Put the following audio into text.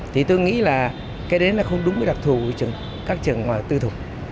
thì tôi nghĩ là cái đấy là không đúng với đặc thù của các trường ngoài tư thục